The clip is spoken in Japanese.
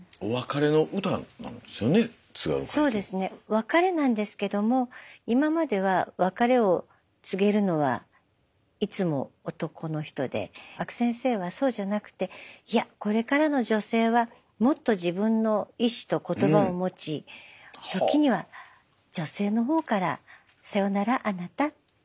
別れなんですけども今までは別れを告げるのはいつも男の人で阿久先生はそうじゃなくていやこれからの女性はもっと自分の意思と言葉を持ち時には女性のほうから「さよならあなた」って。